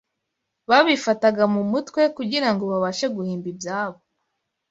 Babifataga mu mutwe kugira ngo babashe guhimba ibyabo